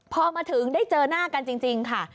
พอมาถึงได้เจอหน้ากันจริงค่ะ